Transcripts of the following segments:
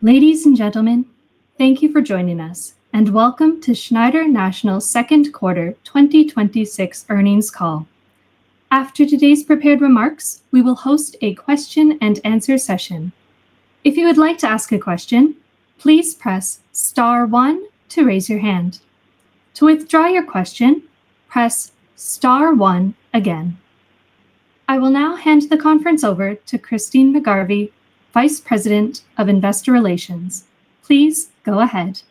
Ladies and gentlemen, thank you for joining us and welcome to Schneider National's Second Quarter 2026 Earnings Call. After today's prepared remarks, we will host a question and answer session. If you would like to ask a question, please press star one to raise your hand. To withdraw your question, press star one again. I will now hand the conference over to Christyne McGarvey, Vice President of Investor Relations. Please go ahead.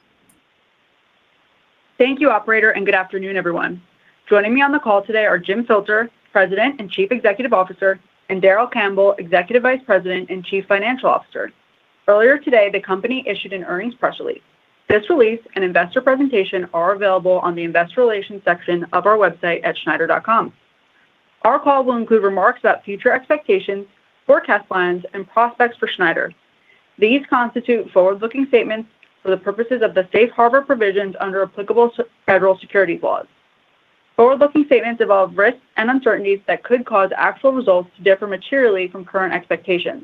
Thank you operator. Good afternoon, everyone. Joining me on the call today are Jim Filter, President and Chief Executive Officer, and Darrell Campbell, Executive Vice President and Chief Financial Officer. Earlier today, the company issued an earnings press release. This release and investor presentation are available on the investor relations section of our website at schneider.com. Our call will include remarks about future expectations, forecast lines and prospects for Schneider. These constitute forward-looking statements for the purposes of the safe harbor provisions under applicable federal securities laws. Forward-looking statements involve risks and uncertainties that could cause actual results to differ materially from current expectations.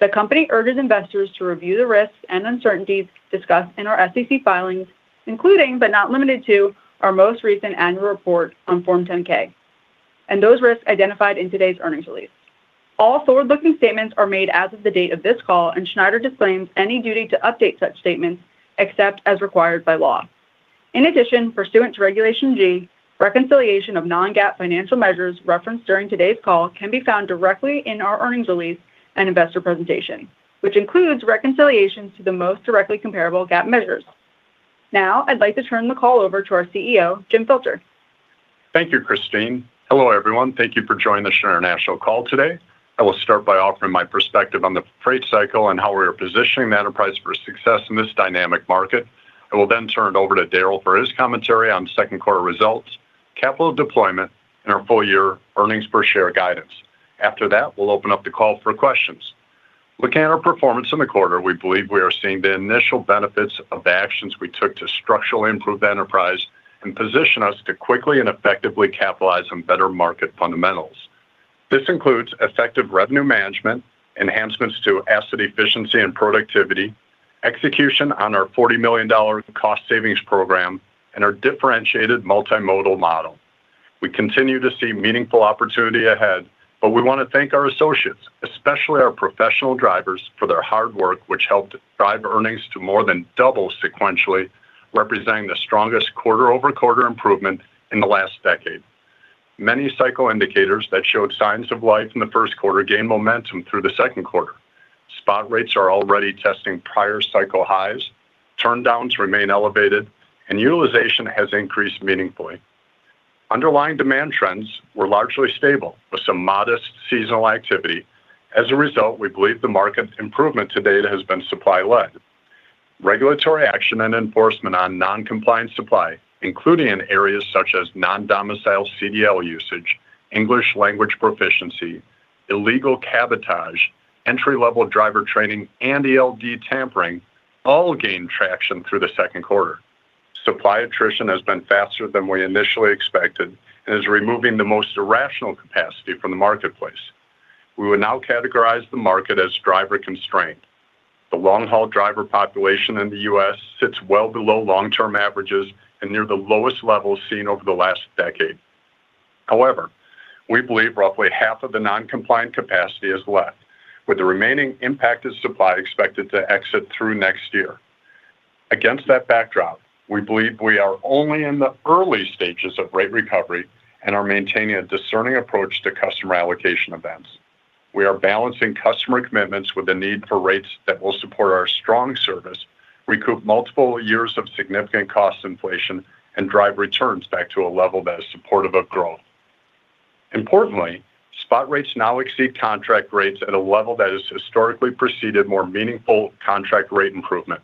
The company urges investors to review the risks and uncertainties discussed in our SEC filings, including, but not limited to, our most recent annual report on Form 10-K, and those risks identified in today's earnings release. All forward-looking statements are made as of the date of this call. Schneider disclaims any duty to update such statements except as required by law. In addition, pursuant to Regulation G, reconciliation of non-GAAP financial measures referenced during today's call can be found directly in our earnings release and investor presentation, which includes reconciliations to the most directly comparable GAAP measures. Now, I'd like to turn the call over to our CEO, Jim Filter. Thank you, Christyne. Hello, everyone. Thank you for joining the Schneider National call today. I will start by offering my perspective on the freight cycle and how we are positioning the enterprise for success in this dynamic market. I will then turn it over to Darrell for his commentary on second quarter results, capital deployment, and our full-year earnings per share guidance. After that, we'll open up the call for questions. Looking at our performance in the quarter, we believe we are seeing the initial benefits of the actions we took to structurally improve the enterprise and position us to quickly and effectively capitalize on better market fundamentals. This includes effective revenue management, enhancements to asset efficiency and productivity, execution on our $40 million cost savings program, and our differentiated multimodal model. We continue to see meaningful opportunity ahead. We want to thank our associates, especially our professional drivers, for their hard work, which helped drive earnings to more than double sequentially, representing the strongest quarter-over-quarter improvement in the last decade. Many cycle indicators that showed signs of life in the first quarter gained momentum through the second quarter. Spot rates are already testing prior cycle highs, turndowns remain elevated, and utilization has increased meaningfully. Underlying demand trends were largely stable with some modest seasonal activity. As a result, we believe the market improvement to date has been supply-led. Regulatory action and enforcement on non-compliant supply, including in areas such as non-domicile CDL usage, English language proficiency, illegal cabotage, entry-level driver training, and ELD tampering all gained traction through the second quarter. Supply attrition has been faster than we initially expected and is removing the most irrational capacity from the marketplace. We would now categorize the market as driver-constrained. The long-haul driver population in the U.S. sits well below long-term averages and near the lowest levels seen over the last decade. However, we believe roughly half of the non-compliant capacity is left, with the remaining impacted supply expected to exit through next year. Against that backdrop, we believe we are only in the early stages of rate recovery and are maintaining a discerning approach to customer allocation events. We are balancing customer commitments with the need for rates that will support our strong service, recoup multiple years of significant cost inflation, and drive returns back to a level that is supportive of growth. Importantly, spot rates now exceed contract rates at a level that has historically preceded more meaningful contract rate improvement.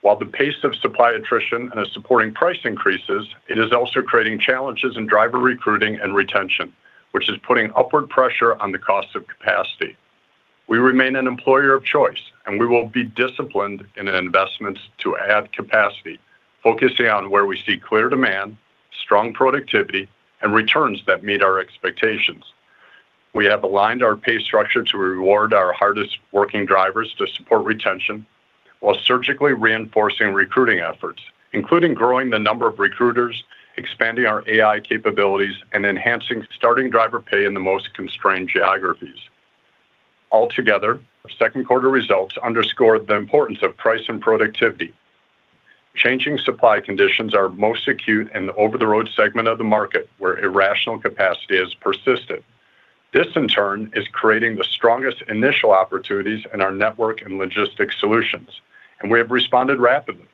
While the pace of supply attrition is supporting price increases, it is also creating challenges in driver recruiting and retention, which is putting upward pressure on the cost of capacity. We remain an employer of choice. We will be disciplined in investments to add capacity, focusing on where we see clear demand, strong productivity, and returns that meet our expectations. We have aligned our pay structure to reward our hardest-working drivers to support retention while surgically reinforcing recruiting efforts, including growing the number of recruiters, expanding our AI capabilities, and enhancing starting driver pay in the most constrained geographies. Altogether, our second quarter results underscore the importance of price and productivity. Changing supply conditions are most acute in the over-the-road segment of the market, where irrational capacity has persisted. This, in turn, is creating the strongest initial opportunities in our network and logistics solutions. We have responded rapidly.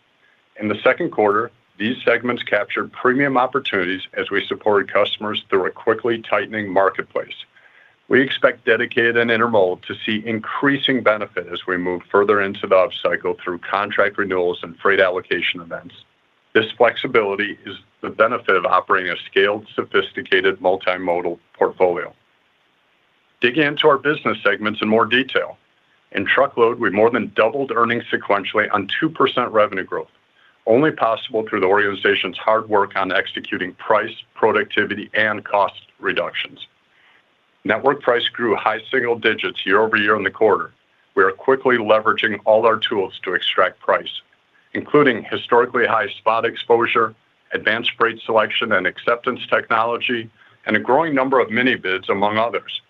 In the second quarter, these segments captured premium opportunities as we supported customers through a quickly tightening marketplace. We expect dedicated and intermodal to see increasing benefit as we move further into the up cycle through contract renewals and freight allocation events. This flexibility is the benefit of operating a scaled, sophisticated, multimodal portfolio. Digging into our business segments in more detail. In truckload, we more than doubled earnings sequentially on 2% revenue growth, only possible through the organization's hard work on executing price, productivity, and cost reductions. Network price grew high single digits year-over-year in the quarter. We are quickly leveraging all our tools to extract price, including historically high spot exposure, advanced freight selection and acceptance technology, and a growing number of mini bids, among others.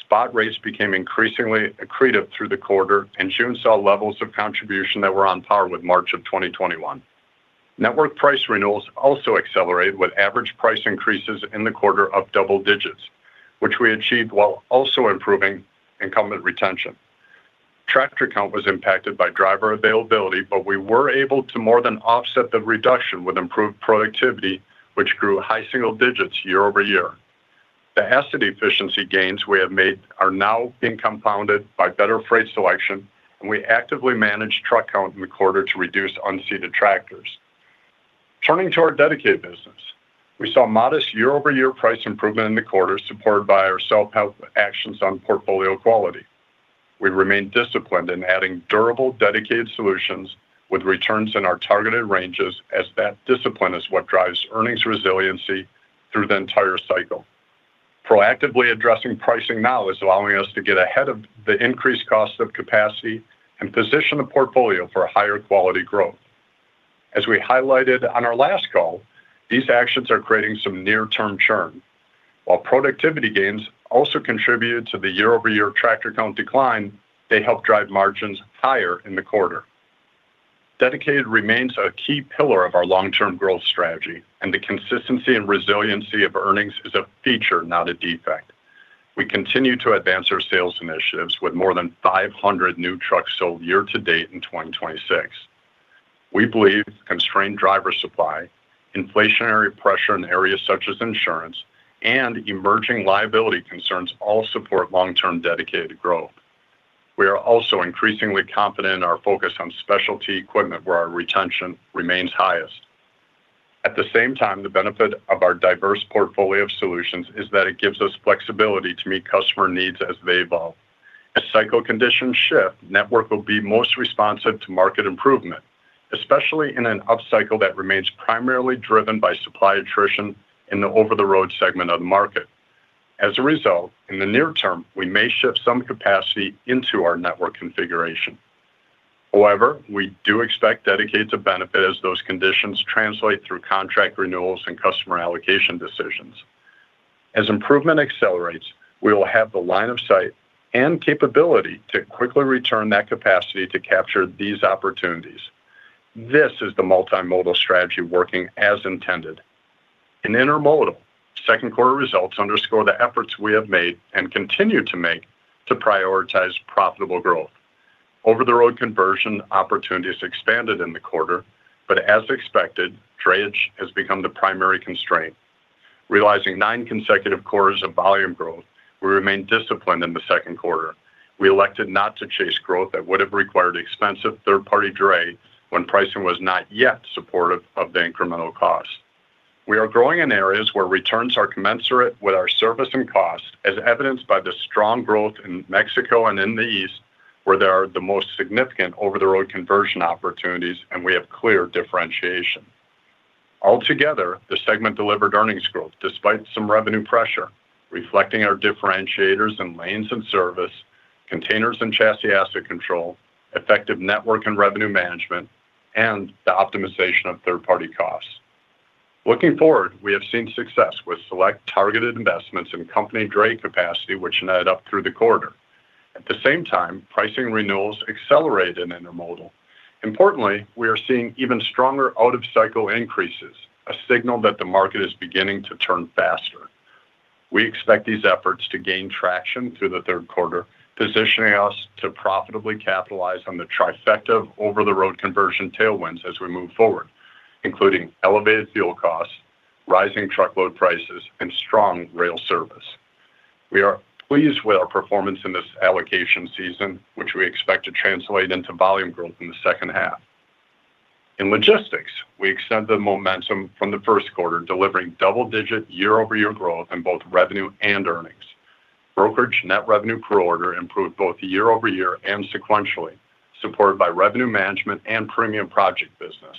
Spot rates became increasingly accretive through the quarter, and June saw levels of contribution that were on par with March of 2021. Network price renewals also accelerated with average price increases in the quarter of double digits, which we achieved while also improving incumbent retention. Tractor count was impacted by driver availability, but we were able to more than offset the reduction with improved productivity, which grew high single digits year-over-year. The asset efficiency gains we have made are now being compounded by better freight selection, and we actively managed truck count in the quarter to reduce unseated tractors. Turning to our dedicated business, we saw modest year-over-year price improvement in the quarter, supported by our self-help actions on portfolio quality. We remain disciplined in adding durable, dedicated solutions with returns in our targeted ranges, as that discipline is what drives earnings resiliency through the entire cycle. Proactively addressing pricing now is allowing us to get ahead of the increased cost of capacity and position the portfolio for higher quality growth. As we highlighted on our last call, these actions are creating some near-term churn. While productivity gains also contributed to the year-over-year tractor count decline, they helped drive margins higher in the quarter. Dedicated remains a key pillar of our long-term growth strategy, and the consistency and resiliency of earnings is a feature, not a defect. We continue to advance our sales initiatives with more than 500 new trucks sold year-to-date in 2026. We believe constrained driver supply, inflationary pressure in areas such as insurance, and emerging liability concerns all support long-term dedicated growth. We are also increasingly confident in our focus on specialty equipment where our retention remains highest. At the same time, the benefit of our diverse portfolio of solutions is that it gives us flexibility to meet customer needs as they evolve. As cycle conditions shift, network will be most responsive to market improvement, especially in an upcycle that remains primarily driven by supply attrition in the over-the-road segment of the market. As a result, in the near term, we may shift some capacity into our network configuration. However, we do expect Dedicated to benefit as those conditions translate through contract renewals and customer allocation decisions. As improvement accelerates, we will have the line of sight and capability to quickly return that capacity to capture these opportunities. This is the multimodal strategy working as intended. In Intermodal, second quarter results underscore the efforts we have made and continue to make to prioritize profitable growth. Over-the-road conversion opportunities expanded in the quarter, but as expected, drayage has become the primary constraint. Realizing nine consecutive quarters of volume growth, we remain disciplined in the second quarter. We elected not to chase growth that would have required expensive third-party dray when pricing was not yet supportive of the incremental cost. We are growing in areas where returns are commensurate with our service and cost, as evidenced by the strong growth in Mexico and in the East, where there are the most significant over-the-road conversion opportunities, and we have clear differentiation. Altogether, the segment delivered earnings growth despite some revenue pressure, reflecting our differentiators in lanes and service, containers and chassis asset control, effective network and revenue management, and the optimization of third-party costs. Looking forward, we have seen success with select targeted investments in company dray capacity, which added up through the quarter. At the same time, pricing renewals accelerated in Intermodal. Importantly, we are seeing even stronger out-of-cycle increases, a signal that the market is beginning to turn faster. We expect these efforts to gain traction through the third quarter, positioning us to profitably capitalize on the trifecta of over-the-road conversion tailwinds as we move forward, including elevated fuel costs, rising truckload prices, and strong rail service. We are pleased with our performance in this allocation season, which we expect to translate into volume growth in the second half. In Logistics, we extend the momentum from the first quarter, delivering double-digit year-over-year growth in both revenue and earnings. Brokerage net revenue per order improved both year-over-year and sequentially, supported by revenue management and premium project business.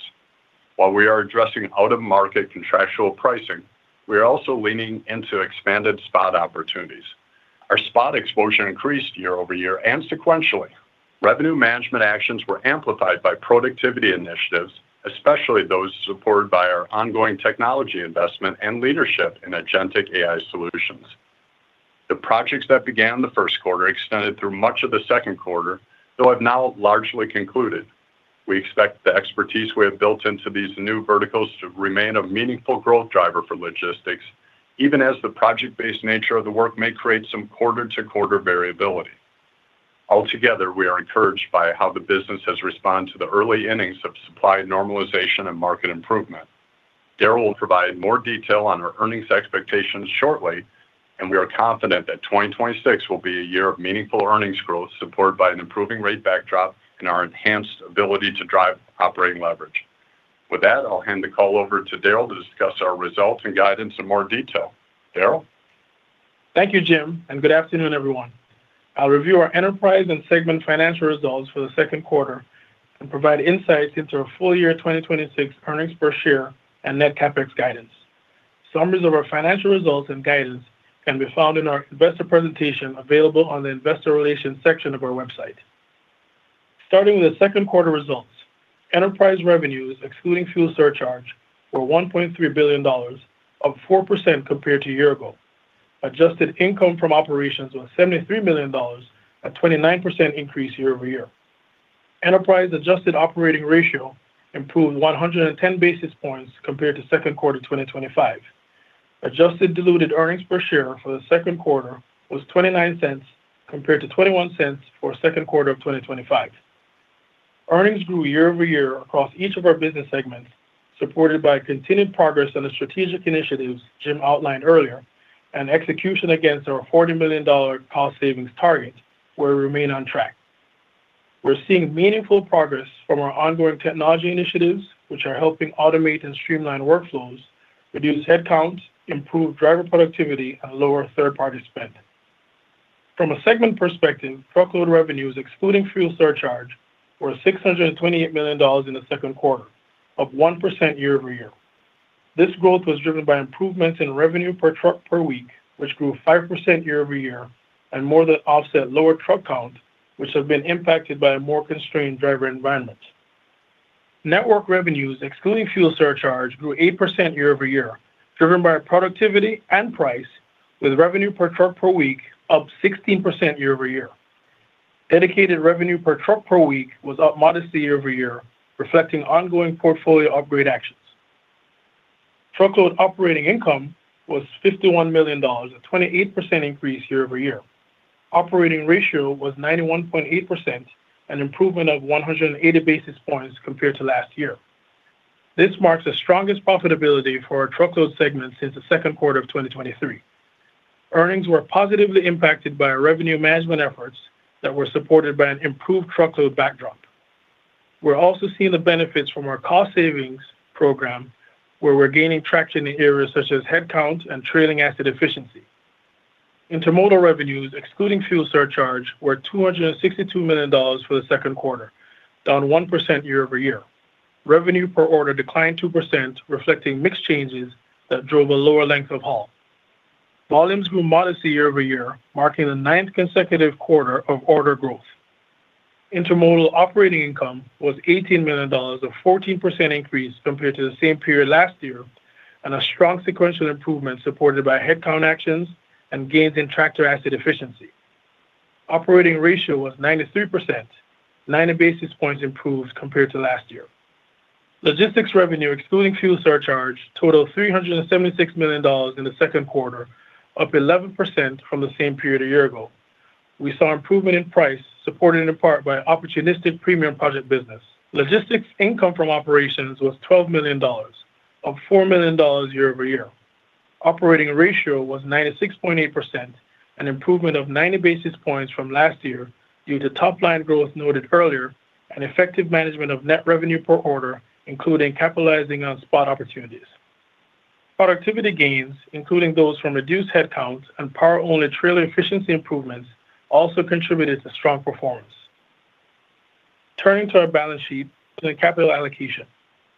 While we are addressing out-of-market contractual pricing, we are also leaning into expanded spot opportunities. Our spot exposure increased year-over-year and sequentially. Revenue management actions were amplified by productivity initiatives, especially those supported by our ongoing technology investment and leadership in agentic AI solutions. The projects that began the first quarter extended through much of the second quarter, though have now largely concluded. We expect the expertise we have built into these new verticals to remain a meaningful growth driver for Logistics, even as the project-based nature of the work may create some quarter-to-quarter variability. Altogether, we are encouraged by how the business has responded to the early innings of supply normalization and market improvement. Darrell will provide more detail on our earnings expectations shortly. We are confident that 2026 will be a year of meaningful earnings growth, supported by an improving rate backdrop and our enhanced ability to drive operating leverage. With that, I'll hand the call over to Darrell to discuss our results and guidance in more detail. Darrell? Thank you, Jim, and good afternoon, everyone. I'll review our enterprise and segment financial results for the second quarter and provide insights into our full-year 2026 earnings per share and net CapEx guidance. Summaries of our financial results and guidance can be found in our investor presentation, available on the investor relations section of our website. Starting with the second quarter results, enterprise revenues, excluding fuel surcharge, were $1.3 billion, up 4% compared to a year ago. Adjusted income from operations was $73 million, a 29% increase year-over-year. Enterprise adjusted operating ratio improved 110 basis points compared to second quarter 2025. Adjusted diluted earnings per share for the second quarter was $0.29, compared to $0.21 for second quarter of 2025. Earnings grew year-over-year across each of our business segments, supported by continued progress on the strategic initiatives Jim outlined earlier and execution against our $40 million cost savings target, where we remain on track. We're seeing meaningful progress from our ongoing technology initiatives, which are helping automate and streamline workflows, reduce headcounts, improve driver productivity, and lower third-party spend. From a segment perspective, truckload revenues, excluding fuel surcharge, were $628 million in the second quarter, up 1% year-over-year. This growth was driven by improvements in revenue per truck per week, which grew 5% year-over-year, and more than offset lower truck count, which have been impacted by a more constrained driver environment. Network revenues, excluding fuel surcharge, grew 8% year-over-year, driven by productivity and price, with revenue per truck per week up 16% year-over-year. Dedicated revenue per truck per week was up modestly year-over-year, reflecting ongoing portfolio upgrade actions. Truckload operating income was $51 million, a 28% increase year-over-year. Operating Ratio was 91.8%, an improvement of 180 basis points compared to last year. This marks the strongest profitability for our truckload segment since the second quarter of 2023. Earnings were positively impacted by our revenue management efforts that were supported by an improved truckload backdrop. We're also seeing the benefits from our cost savings program, where we're gaining traction in areas such as headcount and trailing asset efficiency. Intermodal revenues, excluding fuel surcharge, were $262 million for the second quarter, down 1% year-over-year. Revenue per order declined 2%, reflecting mix changes that drove a lower length of haul. Volumes grew modestly year-over-year, marking the ninth consecutive quarter of order growth. Intermodal operating income was $18 million, a 14% increase compared to the same period last year, and a strong sequential improvement supported by headcount actions and gains in tractor asset efficiency. Operating Ratio was 93%, 90 basis points improved compared to last year. Logistics revenue, excluding fuel surcharge, totaled $376 million in the second quarter, up 11% from the same period a year ago. We saw improvement in price, supported in part by opportunistic premium project business. Logistics income from operations was $12 million, up $4 million year-over-year. Operating Ratio was 96.8%, an improvement of 90 basis points from last year due to top-line growth noted earlier and effective management of net revenue per order, including capitalizing on spot opportunities. Productivity gains, including those from reduced headcounts and power-only trailer efficiency improvements, also contributed to strong performance. Turning to our balance sheet and capital allocation.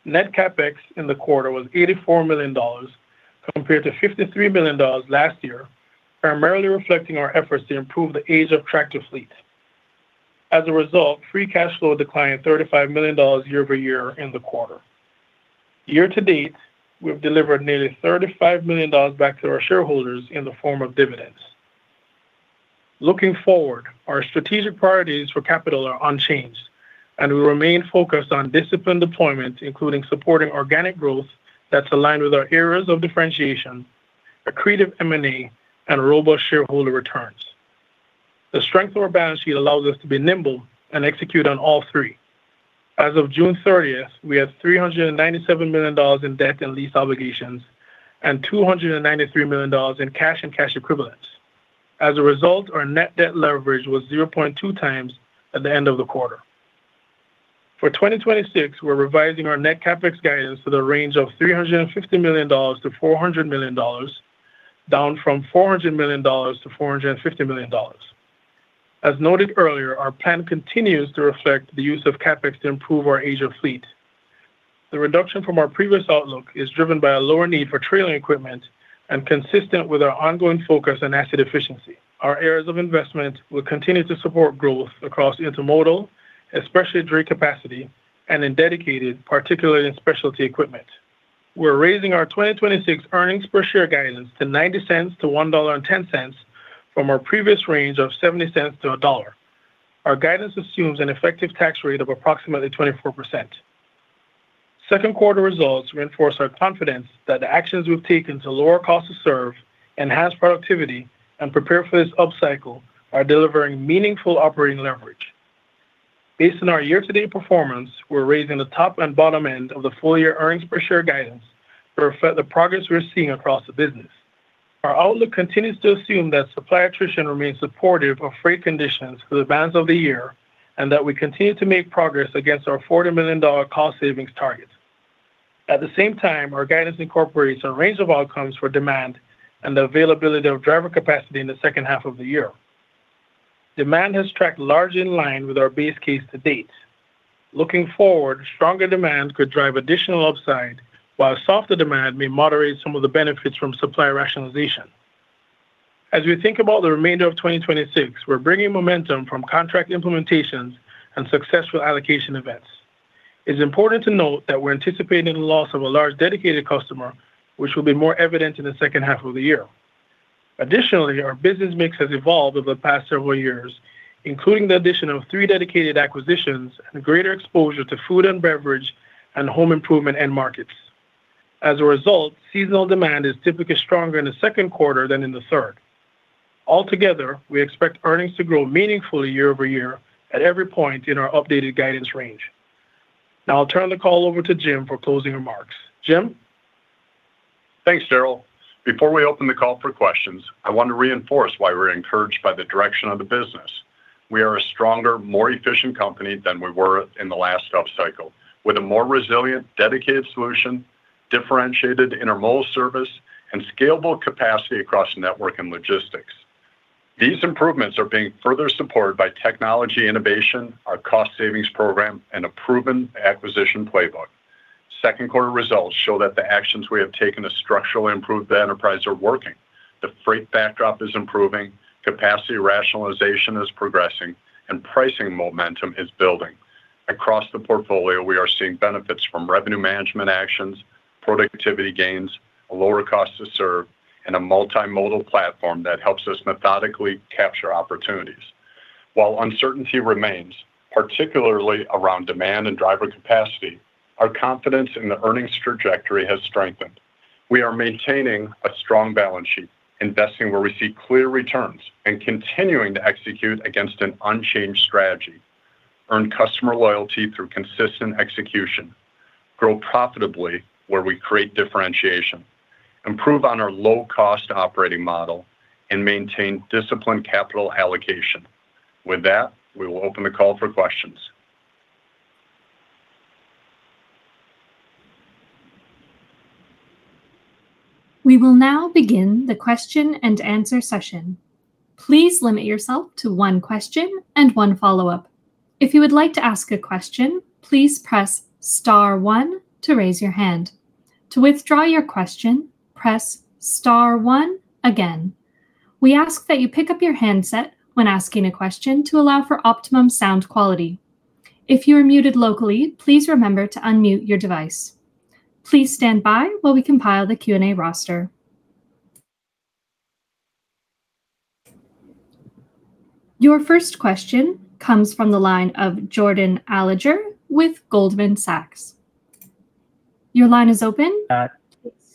Net CapEx in the quarter was $84 million compared to $53 million last year, primarily reflecting our efforts to improve the age of tractor fleet. As a result, free cash flow declined $35 million year-over-year in the quarter. Year to date, we have delivered nearly $35 million back to our shareholders in the form of dividends. Looking forward, our strategic priorities for capital are unchanged, and we remain focused on disciplined deployment, including supporting organic growth that's aligned with our areas of differentiation, accretive M&A, and robust shareholder returns. The strength of our balance sheet allows us to be nimble and execute on all three. As of June 30th, we had $397 million in debt and lease obligations and $293 million in cash and cash equivalents. As a result, our net debt leverage was 0.2x at the end of the quarter. For 2026, we're revising our net CapEx guidance to the range of $350 million-$400 million, down from $400 million-$450 million. As noted earlier, our plan continues to reflect the use of CapEx to improve our age of fleet. The reduction from our previous outlook is driven by a lower need for trailing equipment and consistent with our ongoing focus on asset efficiency. Our areas of investment will continue to support growth across intermodal, especially dray capacity, and in dedicated, particularly in specialty equipment. We're raising our 2026 earnings per share guidance to $0.90-$1.10 from our previous range of $0.70-$1.00. Our guidance assumes an effective tax rate of approximately 24%. Second quarter results reinforce our confidence that the actions we've taken to lower cost to serve, enhance productivity, and prepare for this upcycle are delivering meaningful operating leverage. Based on our year-to-date performance, we're raising the top and bottom end of the full-year earnings per share guidance to reflect the progress we're seeing across the business. Our outlook continues to assume that supply attrition remains supportive of freight conditions for the balance of the year and that we continue to make progress against our $40 million cost savings target. At the same time, our guidance incorporates a range of outcomes for demand and the availability of driver capacity in the second half of the year. Demand has tracked largely in line with our base case to date. Looking forward, stronger demand could drive additional upside, while softer demand may moderate some of the benefits from supply rationalization. As we think about the remainder of 2026, we're bringing momentum from contract implementations and successful allocation events. It's important to note that we're anticipating the loss of a large dedicated customer, which will be more evident in the second half of the year. Additionally, our business mix has evolved over the past several years, including the addition of three dedicated acquisitions and a greater exposure to food and beverage and home improvement end markets. As a result, seasonal demand is typically stronger in the second quarter than in the third. Altogether, we expect earnings to grow meaningfully year-over-year at every point in our updated guidance range. I'll turn the call over to Jim for closing remarks. Jim? Thanks, Darrell. Before we open the call for questions, I want to reinforce why we're encouraged by the direction of the business. We are a stronger, more efficient company than we were in the last upcycle, with a more resilient, dedicated solution, differentiated internal service, and scalable capacity across network and logistics. These improvements are being further supported by technology innovation, our cost savings program, and a proven acquisition playbook. Second quarter results show that the actions we have taken to structurally improve the enterprise are working. The freight backdrop is improving, capacity rationalization is progressing, and pricing momentum is building. Across the portfolio, we are seeing benefits from revenue management actions, productivity gains, a lower cost to serve, and a multimodal platform that helps us methodically capture opportunities. While uncertainty remains, particularly around demand and driver capacity, our confidence in the earnings trajectory has strengthened. We are maintaining a strong balance sheet, investing where we see clear returns, and continuing to execute against an unchanged strategy, earn customer loyalty through consistent execution, grow profitably where we create differentiation, improve on our low-cost operating model, and maintain disciplined capital allocation. With that, we will open the call for questions. We will now begin the question and answer session. Please limit yourself to one question and one follow-up. If you would like to ask a question, please press star one to raise your hand. To withdraw your question, press star one again. We ask that you pick up your handset when asking a question to allow for optimum sound quality. If you are muted locally, please remember to unmute your device. Please stand by while we compile the Q&A roster. Your first question comes from the line of Jordan Alliger with Goldman Sachs. Your line is open.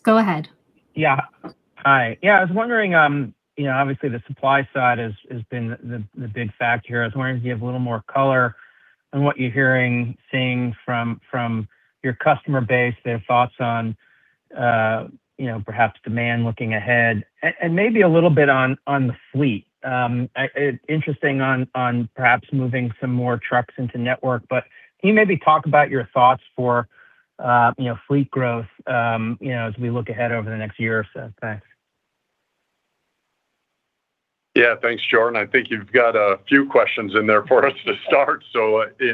Go ahead. Yeah. Hi. Yeah, I was wondering, obviously the supply side has been the big factor here. I was wondering if you have a little more color on what you're hearing, seeing from your customer base, their thoughts on perhaps demand looking ahead, and maybe a little bit on the fleet. Interesting on perhaps moving some more trucks into network. Can you maybe talk about your thoughts for fleet growth as we look ahead over the next year or so? Thanks. Yeah. Thanks, Jordan. I think you've got a few questions in there for us to start.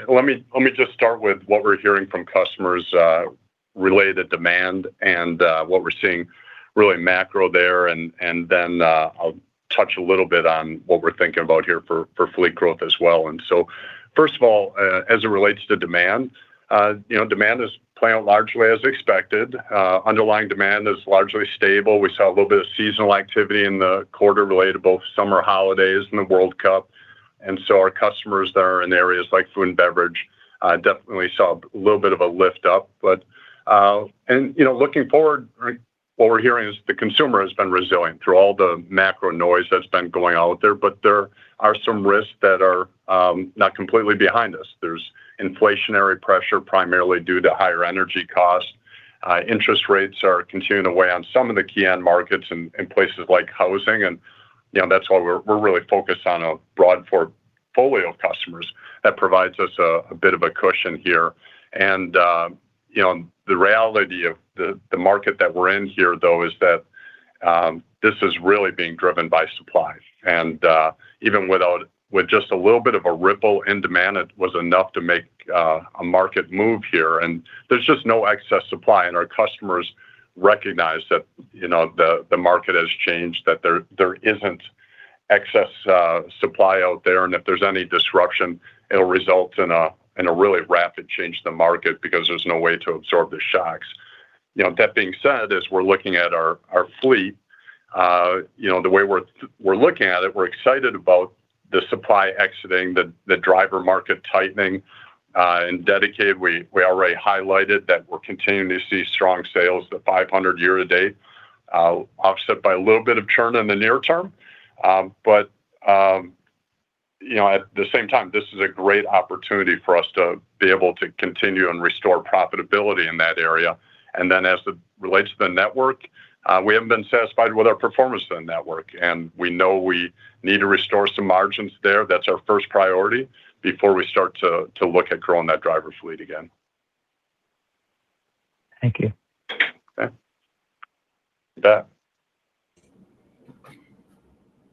Let me just start with what we're hearing from customers related to demand and what we're seeing really macro there, and then, I'll touch a little bit on what we're thinking about here for fleet growth as well. First of all, as it relates to demand is playing out largely as expected. Underlying demand is largely stable. We saw a little bit of seasonal activity in the quarter related to both summer holidays and the World Cup. Our customers that are in areas like food and beverage definitely saw a little bit of a lift up. Looking forward, what we're hearing is the consumer has been resilient through all the macro noise that's been going out there, but there are some risks that are not completely behind us. There's inflationary pressure, primarily due to higher energy costs. Interest rates are continuing to weigh on some of the key end markets in places like housing, and that's why we're really focused on a broad portfolio of customers that provides us a bit of a cushion here. The reality of the market that we're in here, though, is that this is really being driven by supply. Even with just a little bit of a ripple in demand, it was enough to make a market move here. There's just no excess supply, and our customers recognize that the market has changed, that there isn't excess supply out there, and if there's any disruption, it'll result in a really rapid change in the market because there's no way to absorb the shocks. That being said, as we're looking at our fleet, the way we're looking at it, we're excited about the supply exiting, the driver market tightening. In Dedicated, we already highlighted that we're continuing to see strong sales at 500 year to date, offset by a little bit of churn in the near term. At the same time, this is a great opportunity for us to be able to continue and restore profitability in that area. As it relates to the network. We haven't been satisfied with our performance on network, and we know we need to restore some margins there. That's our first priority before we start to look at growing that driver fleet again. Thank you. Okay. You bet.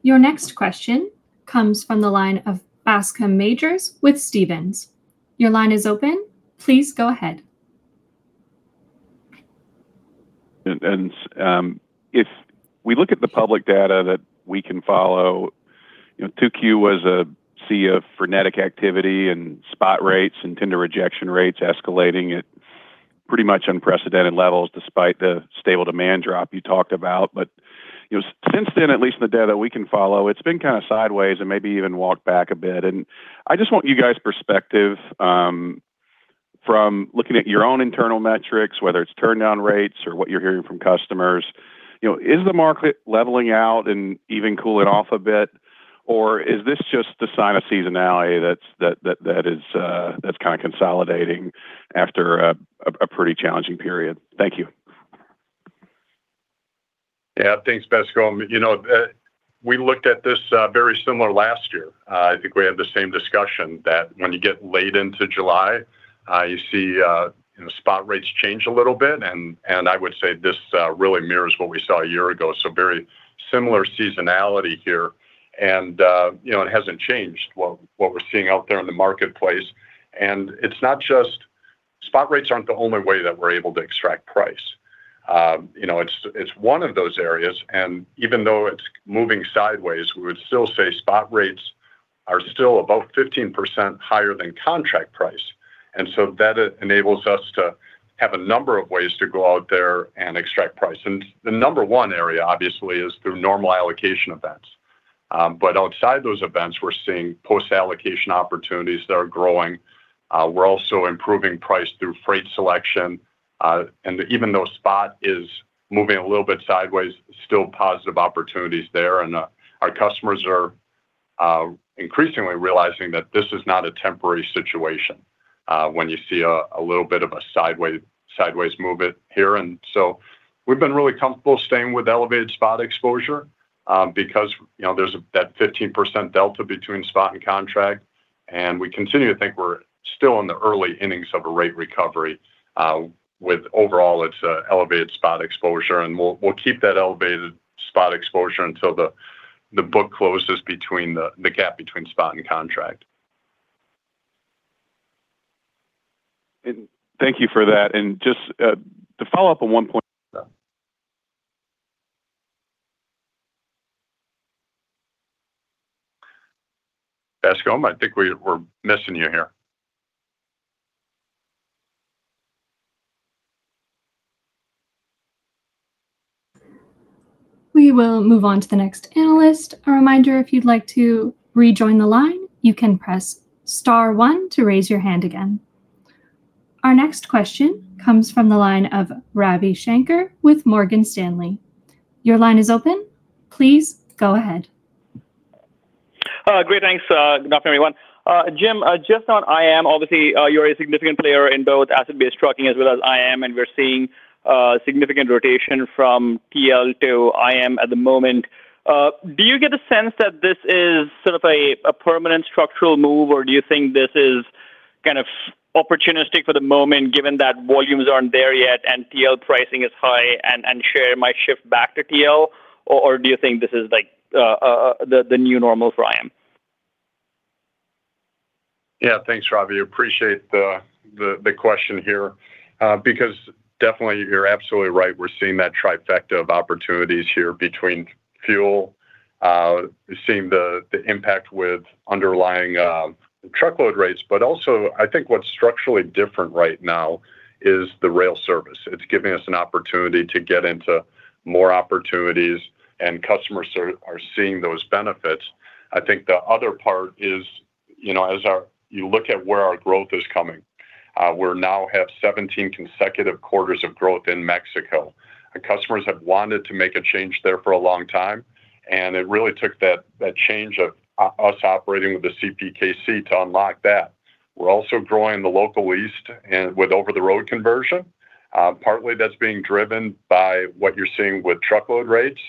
Your next question comes from the line of Bascome Majors with Stephens. Your line is open. Please go ahead. If we look at the public data that we can follow, 2Q was a sea of frenetic activity and spot rates and tender rejection rates escalating at pretty much unprecedented levels, despite the stable demand drop you talked about. Since then, at least in the data we can follow, it's been kind of sideways and maybe even walked back a bit. I just want you guys' perspective from looking at your own internal metrics, whether it's turndown rates or what you're hearing from customers. Is the market leveling out and even cooling off a bit, or is this just the sign of seasonality that's kind of consolidating after a pretty challenging period? Thank you. Thanks, Bascome. We looked at this very similar last year. I think we had the same discussion that when you get late into July, you see spot rates change a little bit. I would say this really mirrors what we saw a year ago, so very similar seasonality here. It hasn't changed what we're seeing out there in the marketplace. It's not just spot rates aren't the only way that we're able to extract price. It's one of those areas, and even though it's moving sideways, we would still say spot rates are still about 15% higher than contract price. That enables us to have a number of ways to go out there and extract price. The number one area, obviously, is through normal allocation events. Outside those events, we're seeing post-allocation opportunities that are growing. We're also improving price through freight selection. Even though spot is moving a little bit sideways, still positive opportunities there. Our customers are increasingly realizing that this is not a temporary situation when you see a little bit of a sideways movement here. We've been really comfortable staying with elevated spot exposure because there's that 15% delta between spot and contract. We continue to think we're still in the early innings of a rate recovery with overall its elevated spot exposure, and we'll keep that elevated spot exposure until the book closes between the gap between spot and contract. Thank you for that. Just to follow up on one point. Bascome, I think we're missing you here. We will move on to the next analyst. A reminder, if you'd like to rejoin the line, you can press star one to raise your hand again. Our next question comes from the line of Ravi Shanker with Morgan Stanley. Your line is open. Please go ahead. Great. Thanks. Good afternoon, everyone. Jim, just on IM, obviously, you're a significant player in both asset-based trucking as well as IM, and we're seeing significant rotation from TL to IM at the moment. Do you get the sense that this is sort of a permanent structural move, or do you think this is kind of opportunistic for the moment, given that volumes aren't there yet, TL pricing is high, and share might shift back to TL? Do you think this is the new normal for IM? Yeah. Thanks, Ravi. Appreciate the question here. Definitely, you're absolutely right. We're seeing that trifecta of opportunities here between fuel. We're seeing the impact with underlying truckload rates. Also, I think what's structurally different right now is the rail service. It's giving us an opportunity to get into more opportunities, and customers are seeing those benefits. I think the other part is, as you look at where our growth is coming, we now have 17 consecutive quarters of growth in Mexico. Customers have wanted to make a change there for a long time, and it really took that change of us operating with the CPKC to unlock that. We're also growing the local east with over-the-road conversion. Partly, that's being driven by what you're seeing with truckload rates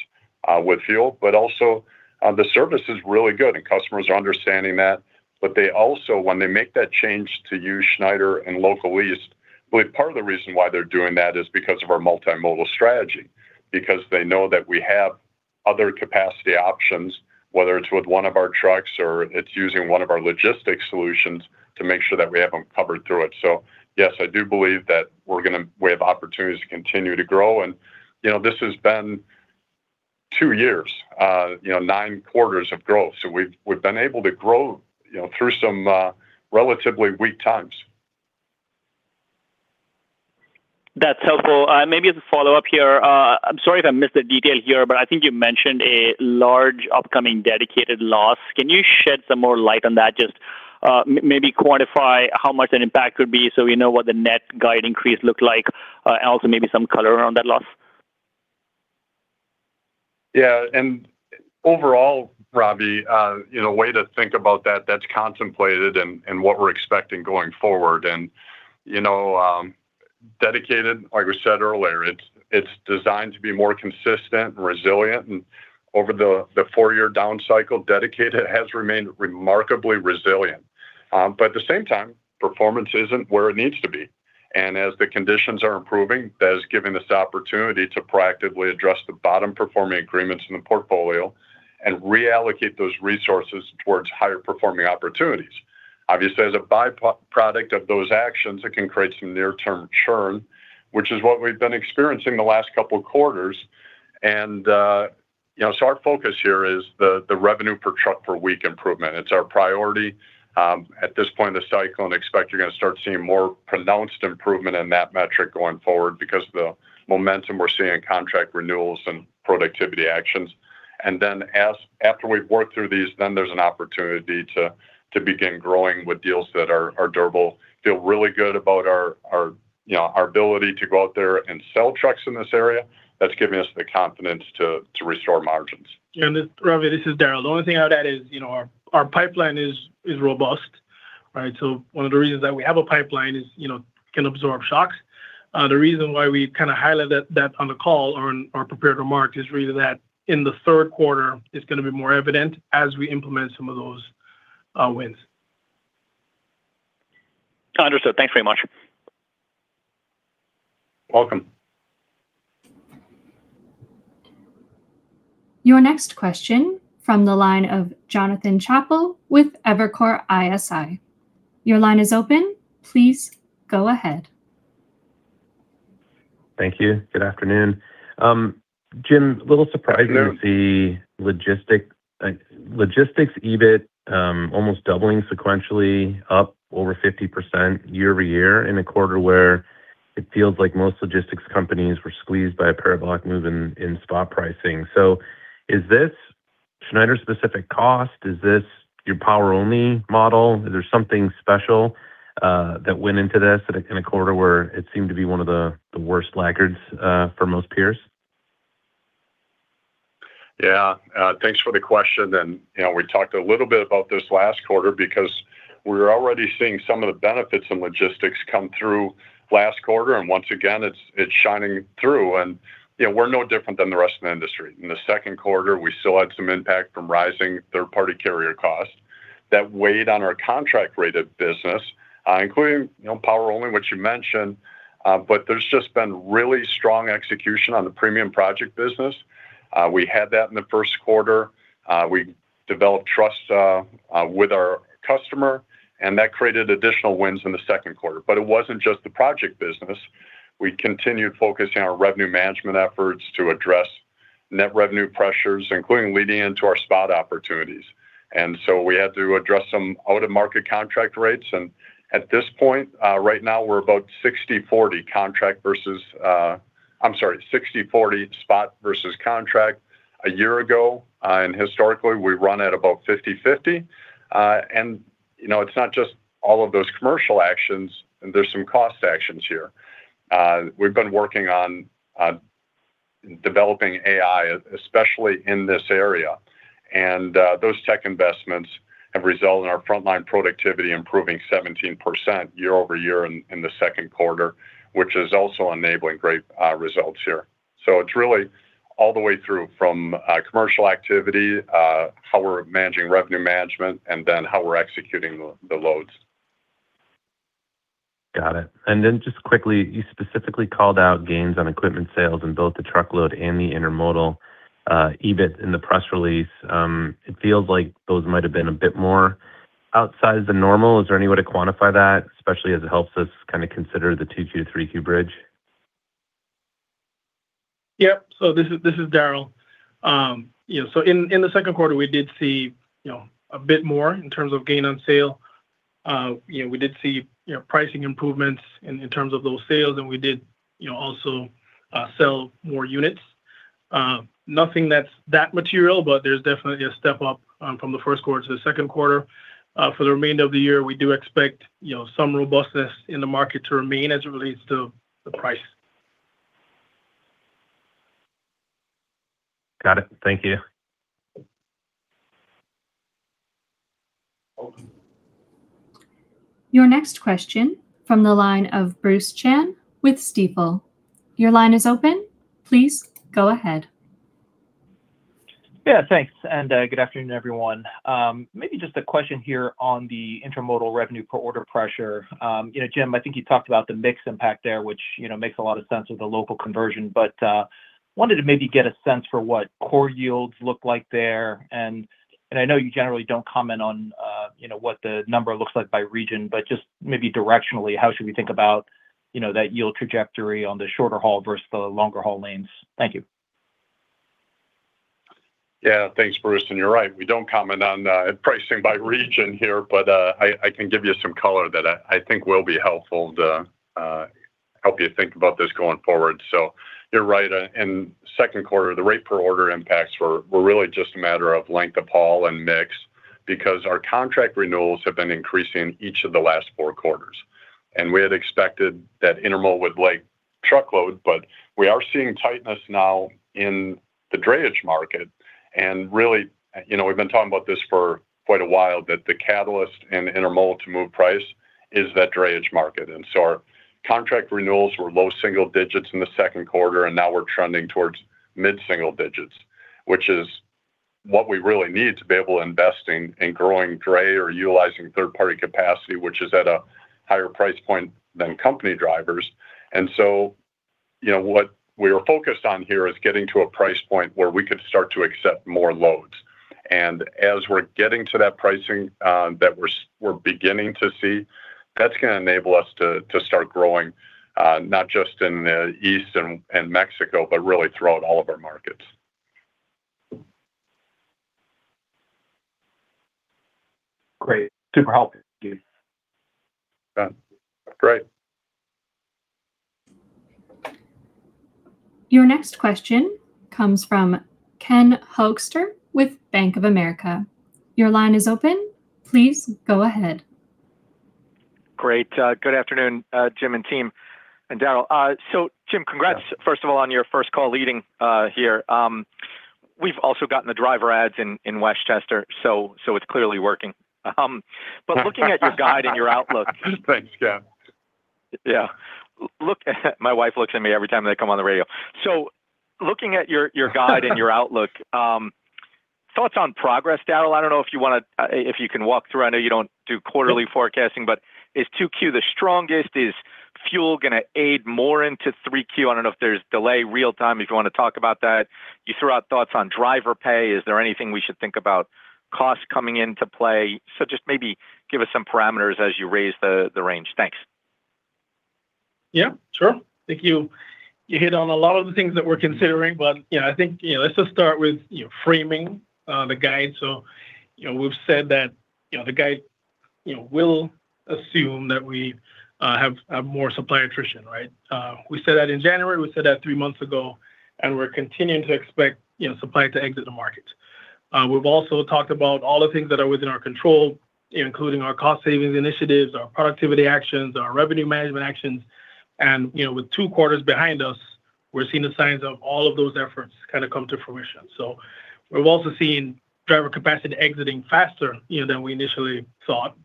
with fuel, also the service is really good, and customers are understanding that. They also, when they make that change to use Schneider and local east, believe part of the reason why they're doing that is because of our multimodal strategy. They know that we have other capacity options, whether it's with one of our trucks or it's using one of our logistics solutions to make sure that we have them covered through it. Yes, I do believe that we have opportunities to continue to grow. This has been two years, nine quarters of growth. We've been able to grow through some relatively weak times. That's helpful. Maybe as a follow-up here, I'm sorry if I missed the detail here, but I think you mentioned a large upcoming dedicated loss. Can you shed some more light on that? Just maybe quantify how much an impact could be so we know what the net guide increase looked like, and also maybe some color around that loss. Yeah. Overall, Ravi, a way to think about that's contemplated and what we're expecting going forward and Dedicated, like we said earlier, it's designed to be more consistent and resilient. Over the four-year down cycle, Dedicated has remained remarkably resilient. At the same time, performance isn't where it needs to be. As the conditions are improving, that is giving us the opportunity to proactively address the bottom-performing agreements in the portfolio and reallocate those resources towards higher-performing opportunities. Obviously, as a byproduct of those actions, it can create some near-term churn, which is what we've been experiencing the last couple of quarters. Our focus here is the revenue per truck per week improvement. It's our priority, at this point in the cycle, expect you're going to start seeing more pronounced improvement in that metric going forward because of the momentum we're seeing in contract renewals and productivity actions. After we've worked through these, there's an opportunity to begin growing with deals that are durable. Feel really good about our ability to go out there and sell trucks in this area. That's giving us the confidence to restore margins. Ravi, this is Darrell. The only thing I'll add is our pipeline is robust, right? One of the reasons that we have a pipeline is it can absorb shocks. The reason why we kind of highlight that on the call or in our prepared remarks is really that in the third quarter, it's going to be more evident as we implement some of those wins. Understood. Thanks very much. Welcome. Your next question from the line of Jonathan Chappell with Evercore ISI. Your line is open. Please go ahead. Thank you. Good afternoon. Jim, a little surprising. Hi, Jonathan. to see logistics EBIT almost doubling sequentially up over 50% year-over-year in a quarter where it feels like most logistics companies were squeezed by a parabolic move in spot pricing. Is this Schneider's specific cost? Is this your power-only model? Is there something special that went into this in a quarter where it seemed to be one of the worst laggards for most peers? Yeah. Thanks for the question. We talked a little bit about this last quarter because we were already seeing some of the benefits in logistics come through last quarter. Once again, it's shining through. We're no different than the rest of the industry. In the second quarter, we still had some impact from rising third-party carrier costs that weighed on our contract rate of business, including power-only, which you mentioned. There's just been really strong execution on the premium project business. We had that in the first quarter. We developed trust with our customer, and that created additional wins in the second quarter. It wasn't just the project business. We continued focusing on our revenue management efforts to address net revenue pressures, including leading into our spot opportunities. We had to address some out-of-market contract rates. At this point, right now we're about 60/40 contract versus I'm sorry, 60/40 spot versus contract a year ago. Historically, we run at about 50/50. It's not just all of those commercial actions. There's some cost actions here. We've been working on developing AI, especially in this area. Those tech investments have resulted in our frontline productivity improving 17% year-over-year in the second quarter, which is also enabling great results here. It's really all the way through, from commercial activity, how we're managing revenue management, and then how we're executing the loads. Got it. Just quickly, you specifically called out gains on equipment sales in both the truckload and the intermodal EBIT in the press release. It feels like those might have been a bit more outside the normal. Is there any way to quantify that, especially as it helps us kind of consider the 2Q to 3Q bridge? Yep. This is Darrell. In the second quarter, we did see a bit more in terms of gain on sale. We did see pricing improvements in terms of those sales, and we did also sell more units. Nothing that's that material, there's definitely a step up from the first quarter to the second quarter. For the remainder of the year, we do expect some robustness in the market to remain as it relates to the price. Got it. Thank you. Welcome. Your next question from the line of Bruce Chan with Stifel. Your line is open. Please go ahead. Yeah, thanks. Good afternoon, everyone. Maybe just a question here on the intermodal revenue per order pressure. Jim, I think you talked about the mix impact there, which makes a lot of sense with the local conversion. Wanted to maybe get a sense for what core yields look like there. I know you generally don't comment on what the number looks like by region, just maybe directionally, how should we think about that yield trajectory on the shorter haul versus the longer haul lanes? Thank you. Yeah. Thanks, Bruce. You're right, we don't comment on pricing by region here, but I can give you some color that I think will be helpful to help you think about this going forward. You're right. In the second quarter, the rate per order impacts were really just a matter of length of haul and mix because our contract renewals have been increasing each of the last four quarters. We had expected that intermodal would lag truckload, but we are seeing tightness now in the drayage market. Really, we've been talking about this for quite a while, that the catalyst in intermodal to move price is that drayage market. Our contract renewals were low single digits in the second quarter, now we're trending towards mid-single digits, which is what we really need to be able to invest in growing dray or utilizing third-party capacity, which is at a higher price point than company drivers. What we are focused on here is getting to a price point where we could start to accept more loads. As we're getting to that pricing that we're beginning to see, that's going to enable us to start growing, not just in the East and Mexico, but really throughout all of our markets. Great. Super helpful. Thanks, Jim. Yeah. Great. Your next question comes from Ken Hoexter with Bank of America. Your line is open. Please go ahead. Great. Good afternoon, Jim and team, and Darrell. Jim, congrats, first of all, on your first call leading here. We've also gotten the driver ads in Westchester. It's clearly working. Looking at your guide and your outlook. Thanks, Ken. Yeah. My wife looks at me every time they come on the radio. Looking at your guide and your outlook, thoughts on progress, Darrell? I don't know if you can walk through. I know you don't do quarterly forecasting. Is 2Q the strongest? Is fuel going to aid more into 3Q? I don't know if there's delay real-time, if you want to talk about that. You threw out thoughts on driver pay. Is there anything we should think about cost coming into play? Just maybe give us some parameters as you raise the range. Thanks. Yeah, sure. Thank you. You hit on a lot of the things that we're considering. I think, let's just start with framing the guide. We've said that the guide will assume that we have more supply attrition, right? We said that in January, we said that three months ago. We're continuing to expect supply to exit the market. We've also talked about all the things that are within our control, including our cost savings initiatives, our productivity actions, our revenue management actions. With two quarters behind us, we're seeing the signs of all of those efforts come to fruition. We've also seen driver capacity exiting faster than we initially thought.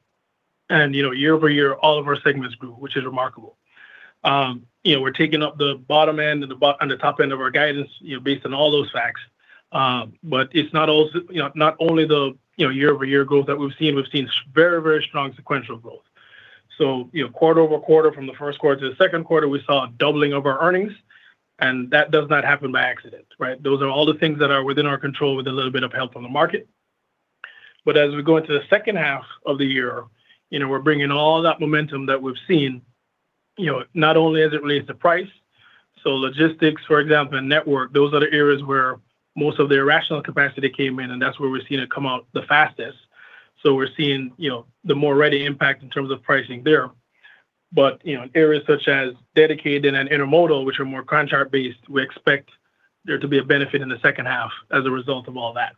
Year-over-year, all of our segments grew, which is remarkable. We're taking up the bottom end and the top end of our guidance based on all those facts. It's not only the year-over-year growth that we've seen. We've seen very strong sequential growth. Quarter-over-quarter, from the first quarter to the second quarter, we saw a doubling of our earnings, and that does not happen by accident, right? Those are all the things that are within our control with a little bit of help from the market. As we go into the second half of the year, we're bringing all that momentum that we've seen, not only as it relates to price. Logistics, for example, and network, those are the areas where most of the irrational capacity came in, and that's where we're seeing it come out the fastest. We're seeing the more ready impact in terms of pricing there. In areas such as dedicated and intermodal, which are more contract based, we expect there to be a benefit in the second half as a result of all that.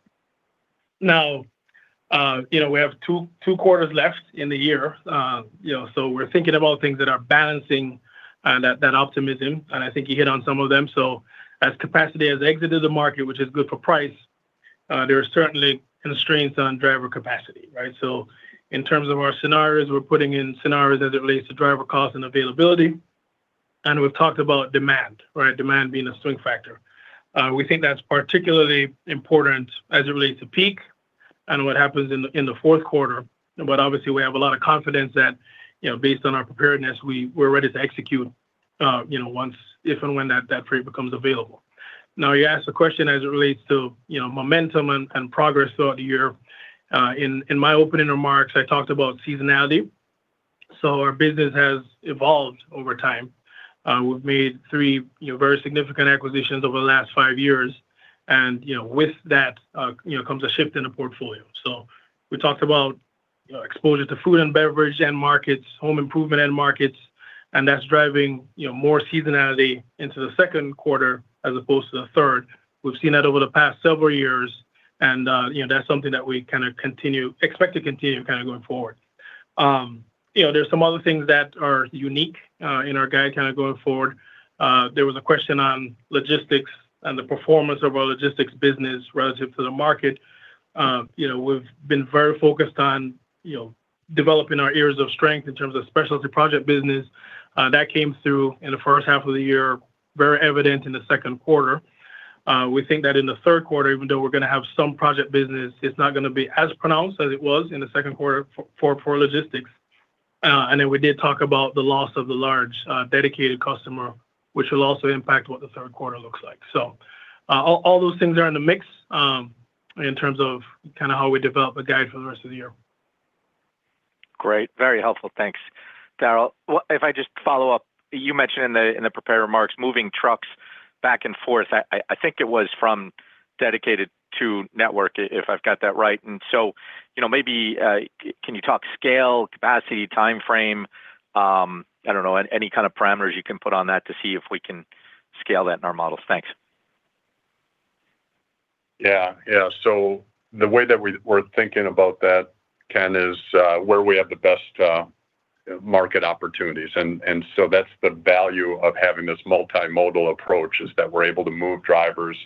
We have two quarters left in the year. We're thinking about things that are balancing that optimism, and I think you hit on some of them. As capacity has exited the market, which is good for price, there are certainly constraints on driver capacity, right? In terms of our scenarios, we're putting in scenarios as it relates to driver cost and availability, and we've talked about demand, right? Demand being a swing factor. We think that's particularly important as it relates to peak and what happens in the fourth quarter. Obviously, we have a lot of confidence that based on our preparedness, we're ready to execute if and when that freight becomes available. You asked the question as it relates to momentum and progress throughout the year. In my opening remarks, I talked about seasonality. Our business has evolved over time. We've made three very significant acquisitions over the last five years. With that, comes a shift in the portfolio. We talked about exposure to food and beverage end markets, home improvement end markets, and that's driving more seasonality into the second quarter as opposed to the third. We've seen that over the past several years, and that's something that we kind of expect to continue going forward. There's some other things that are unique in our guide going forward. There was a question on logistics and the performance of our logistics business relative to the market. We've been very focused on developing our areas of strength in terms of specialty project business. That came through in the first half of the year, very evident in the second quarter. We think that in the third quarter, even though we're going to have some project business, it's not going to be as pronounced as it was in the second quarter for logistics. We did talk about the loss of the large dedicated customer, which will also impact what the third quarter looks like. All those things are in the mix in terms of how we develop a guide for the rest of the year. Great. Very helpful. Thanks, Darrell. If I just follow up, you mentioned in the prepared remarks, moving trucks back and forth. I think it was from dedicated to network, if I've got that right. Maybe can you talk scale, capacity, time frame? I don't know, any kind of parameters you can put on that to see if we can scale that in our models. Thanks. Yeah. The way that we're thinking about that, Ken, is where we have the best market opportunities. That's the value of having this multimodal approach, is that we're able to move drivers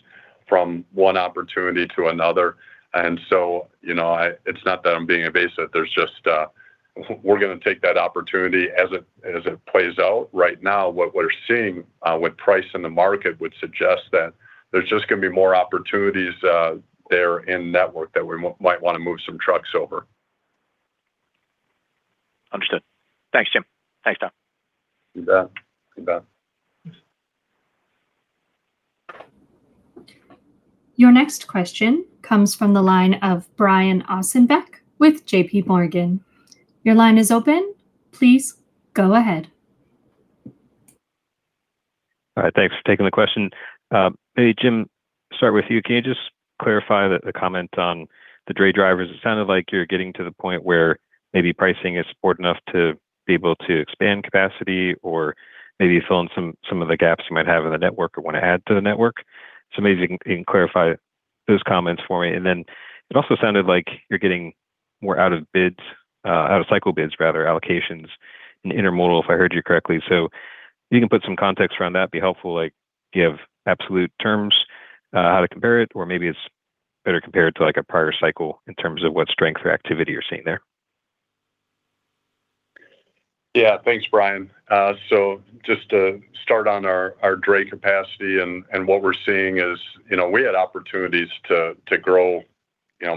from one opportunity to another. It's not that I'm being evasive, there's just, we're going to take that opportunity as it plays out. Right now, what we're seeing with price in the market would suggest that there's just going to be more opportunities there in network that we might want to move some trucks over. Understood. Thanks, Jim. Thanks, Darrell. You bet. Your next question comes from the line of Brian Ossenbeck with JPMorgan. Your line is open. Please go ahead. All right. Thanks for taking the question. Hey, Jim, start with you. Can you just clarify the comment on the dray drivers? It sounded like you're getting to the point where maybe pricing is support enough to be able to expand capacity or maybe fill in some of the gaps you might have in the network or want to add to the network. Maybe you can clarify those comments for me. It also sounded like you're getting more out of cycle bids, rather allocations in intermodal, if I heard you correctly. If you can put some context around that, it'd be helpful, like give absolute terms, how to compare it, or maybe it's better compared to a prior cycle in terms of what strength or activity you're seeing there. Yeah. Thanks, Brian. Just to start on our dray capacity and what we're seeing is, we had opportunities to grow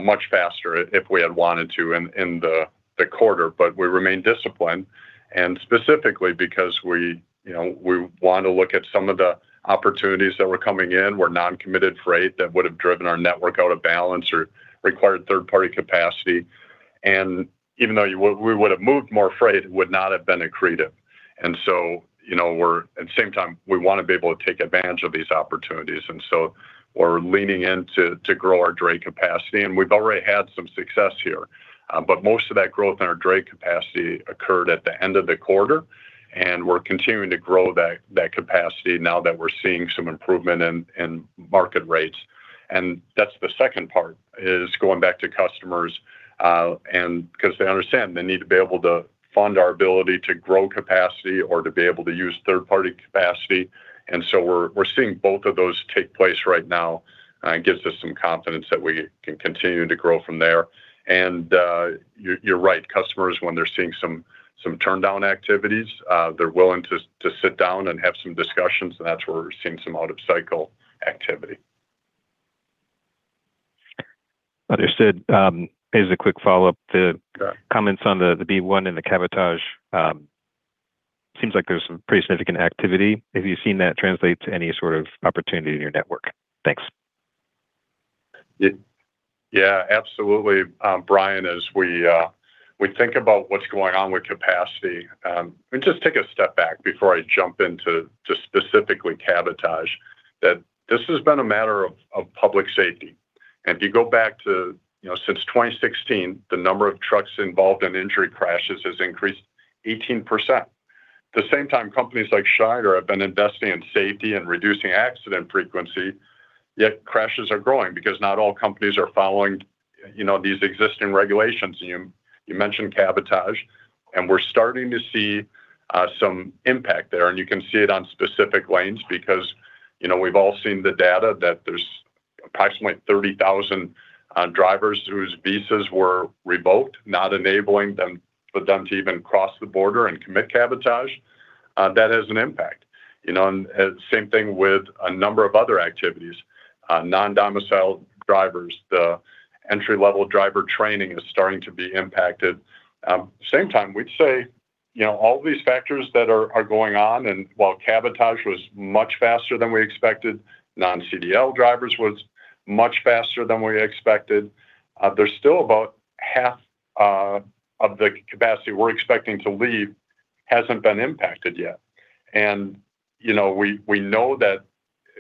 much faster if we had wanted to in the quarter, but we remain disciplined and specifically because we want to look at some of the opportunities that were coming in, were non-committed freight that would have driven our network out of balance or required third-party capacity. Even though we would have moved more freight, it would not have been accretive. At the same time, we want to be able to take advantage of these opportunities. We're leaning in to grow our dray capacity. We've already had some success here. Most of that growth in our dray capacity occurred at the end of the quarter, and we're continuing to grow that capacity now that we're seeing some improvement in market rates. That's the second part, is going back to customers, because they understand they need to be able to fund our ability to grow capacity or to be able to use third-party capacity, we're seeing both of those take place right now. It gives us some confidence that we can continue to grow from there. You're right. Customers, when they're seeing some turndown activities, they're willing to sit down and have some discussions, and that's where we're seeing some out-of-cycle activity. Understood. Here's a quick follow-up to- Sure comments on the B-1 and the cabotage. It seems like there's some pretty significant activity. Have you seen that translate to any sort of opportunity in your network? Thanks. Yeah, absolutely. Brian, as we think about what's going on with capacity, let me just take a step back before I jump in to specifically cabotage, that this has been a matter of public safety. If you go back to, since 2016, the number of trucks involved in injury crashes has increased 18%. At the same time, companies like Schneider have been investing in safety and reducing accident frequency, yet crashes are growing because not all companies are following these existing regulations. You mentioned cabotage, and we're starting to see some impact there. You can see it on specific lanes because we've all seen the data that there's approximately 30,000 drivers whose visas were revoked, not enabling them to even cross the border and commit cabotage. That has an impact. Same thing with a number of other activities. Non-domiciled drivers, the entry level driver training is starting to be impacted. While cabotage was much faster than we expected, non-CDL drivers was much faster than we expected. There's still about half of the capacity we're expecting to leave hasn't been impacted yet. We know that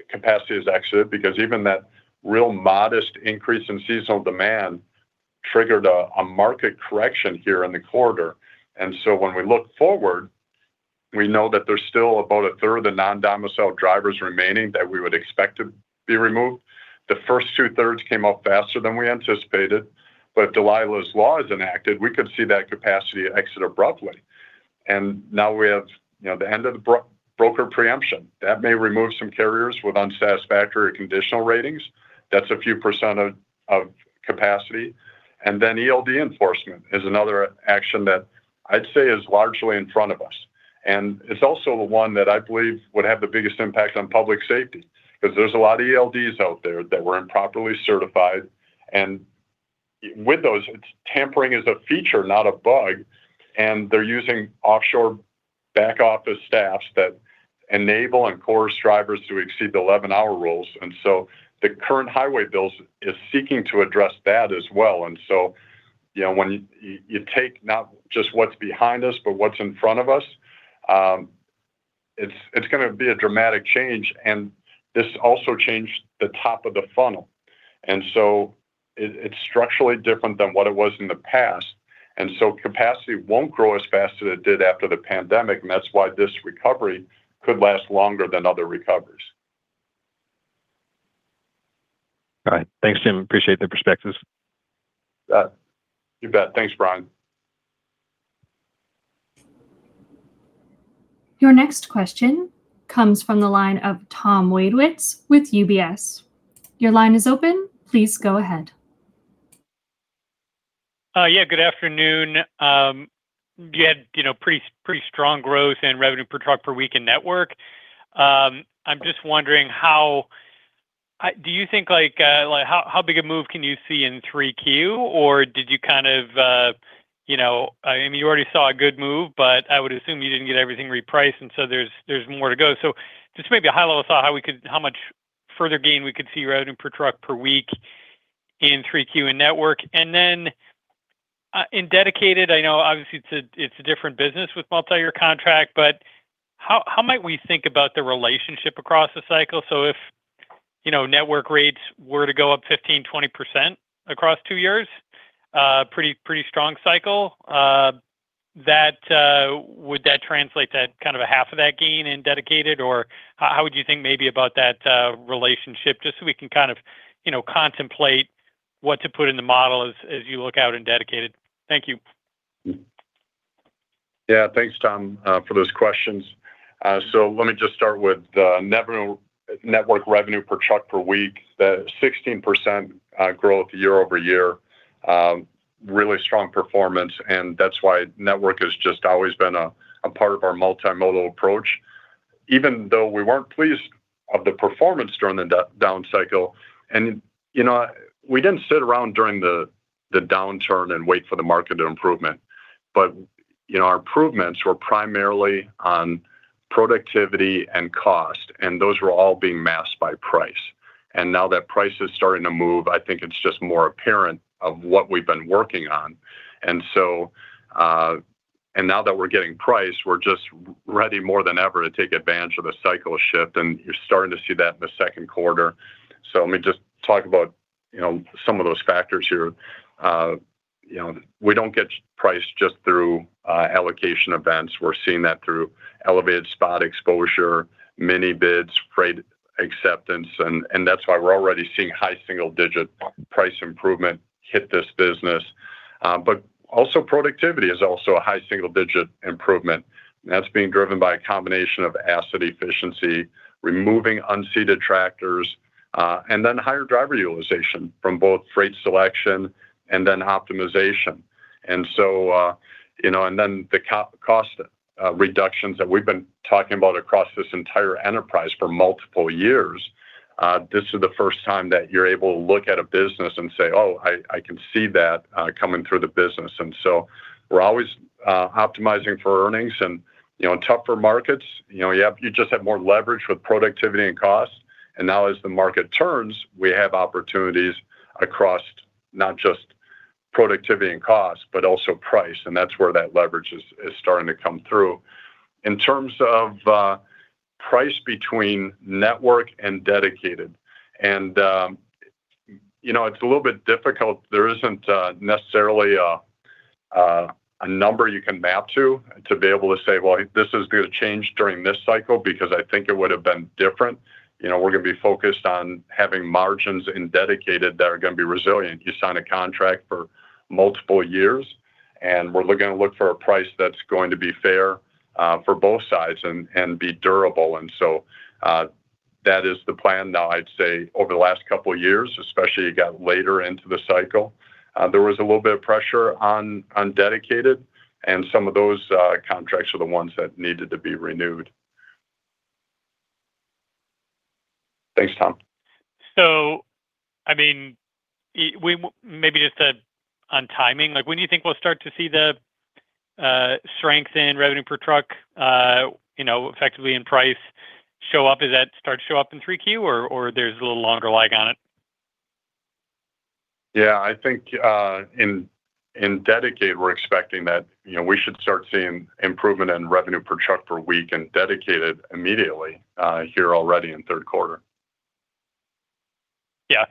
capacity is exited because even that real modest increase in seasonal demand triggered a market correction here in the quarter. When we look forward, we know that there's still about a third of the non-domiciled drivers remaining that we would expect to be removed. The first two-thirds came off faster than we anticipated. If Dalilah's Law is enacted, we could see that capacity exit abruptly. Now we have the end of the broker preemption. That may remove some carriers with unsatisfactory conditional ratings. That's a few percent of capacity. ELD enforcement is another action that I'd say is largely in front of us. It's also the one that I believe would have the biggest impact on public safety because there's a lot of ELDs out there that were improperly certified. With those, tampering is a feature, not a bug, and they're using offshore back office staffs that enable and coerce drivers to exceed the 11-hour rules. The current highway bills is seeking to address that as well. When you take not just what's behind us, but what's in front of us, it's going to be a dramatic change, and this also changed the top of the funnel. It's structurally different than what it was in the past. Capacity won't grow as fast as it did after the pandemic, and that's why this recovery could last longer than other recoveries. All right. Thanks, Jim. Appreciate the perspectives. You bet. Thanks, Brian. Your next question comes from the line of Tom Wadewitz with UBS. Your line is open. Please go ahead. Yeah, good afternoon. You had pretty strong growth in revenue per truck per week in network. I'm just wondering, do you think how big a move can you see in 3Q, or did you already saw a good move, I would assume you didn't get everything repriced, so there's more to go. Just maybe a high-level thought how much further gain we could see revenue per truck per week in 3Q and network. In Dedicated, I know obviously it's a different business with multi-year contract, how might we think about the relationship across the cycle? If network rates were to go up 15%-20% across two years, pretty strong cycle, would that translate to half of that gain in Dedicated? How would you think maybe about that relationship, just so we can contemplate what to put in the model as you look out in Dedicated? Thank you. Thanks, Tom, for those questions. Let me just start with the Network revenue per truck per week. The 16% growth year-over-year, really strong performance, and that's why Network has just always been a part of our multimodal approach, even though we weren't pleased of the performance during the down cycle. We didn't sit around during the downturn and wait for the market to improvement. Our improvements were primarily on productivity and cost, and those were all being masked by price. Now that price is starting to move, I think it's just more apparent of what we've been working on. Now that we're getting price, we're just ready more than ever to take advantage of a cycle shift, and you're starting to see that in the second quarter. Let me just talk about some of those factors here. We don't get price just through allocation events. We're seeing that through elevated spot exposure, many bids, freight acceptance, that's why we're already seeing high single-digit price improvement hit this business. Also productivity is also a high single-digit improvement, and that's being driven by a combination of asset efficiency, removing unseated tractors, and then higher driver utilization from both freight selection and then optimization. The cost reductions that we've been talking about across this entire enterprise for multiple years, this is the first time that you're able to look at a business and say, "Oh, I can see that coming through the business." We're always optimizing for earnings and, in tougher markets, you just have more leverage with productivity and cost. Now as the market turns, we have opportunities across not just productivity and cost, but also price, and that's where that leverage is starting to come through. In terms of price between Network and Dedicated, it's a little bit difficult. There isn't necessarily a number you can map to be able to say, "Well, this is going to change during this cycle," because I think it would have been different. We're going to be focused on having margins in Dedicated that are going to be resilient. You sign a contract for multiple years, and we're looking to look for a price that's going to be fair for both sides and be durable. That is the plan now. I'd say over the last couple of years, especially you got later into the cycle, there was a little bit of pressure on Dedicated, and some of those contracts are the ones that needed to be renewed. Thanks, Tom. Maybe just on timing, when do you think we'll start to see the strength in revenue per truck, effectively in price show up? Is that start to show up in 3Q, or there's a little longer lag on it? Yeah, I think, in Dedicated, we're expecting that we should start seeing improvement in revenue per truck per week in Dedicated immediately, here already in third quarter. Yeah.